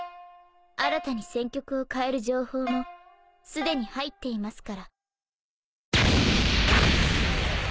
新たに戦局を変える情報もすでに入っていますから。